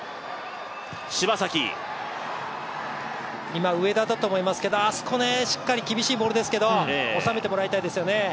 今、上田だと思いますけど、あそこ厳しいボールですけど収めてもらいたいですよね。